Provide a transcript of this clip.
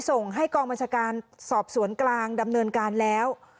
ส่งให้กองบัญชาการสอบสวนกลางดำเนินการแล้ว